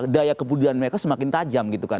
daya kebudayaan mereka semakin tajam